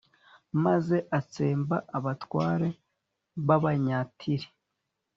maze atsemba abatware b'abanyatiri